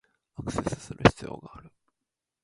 アクセスする必要がある